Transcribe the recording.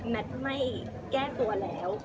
แมทไม่แก้ตัวแล้ว